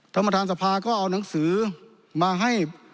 ท่านประธานสภาก็เอาหนังสือมาให้